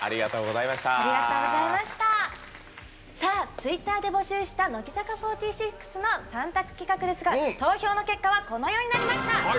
ツイッターで募集した乃木坂４６の３択企画ですが投票の結果はこのようになりました。